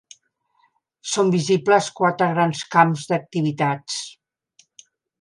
Són visibles quatre grans camps d'activitats.